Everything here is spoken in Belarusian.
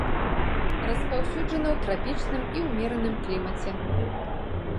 Распаўсюджаны ў трапічным і ўмераным клімаце.